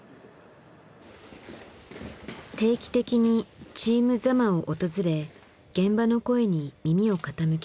定期的にチーム座間を訪れ現場の声に耳を傾ける。